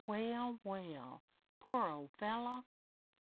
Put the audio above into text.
Well, well! Poor old fellow!